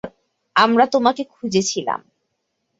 আমরা তোমাকে খুঁজছিলাম।